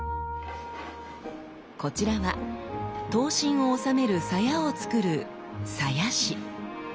こちらは刀身を収める鞘を作る鞘師。